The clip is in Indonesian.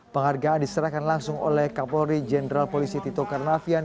penghargaan diserahkan langsung oleh kapolri jenderal polisi tito karnavian